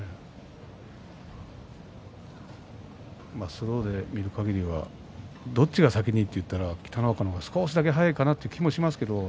スローで見るかぎりはどっちが先にといったら北の若の方が少しだけ早いような気がしますけれども。